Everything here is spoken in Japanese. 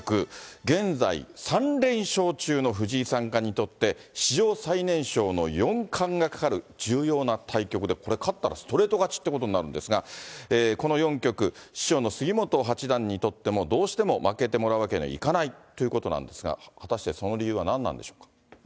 現在、３連勝中の藤井三冠にとって、史上最年少の四冠がかかる重要な対局で、これ、勝ったらストレート勝ちってことになるんですが、この４局、師匠の杉本八段にとっても、どうしても負けてもらうわけにはいかないってことなんですが、果たしてその理由は何なんでしょうか。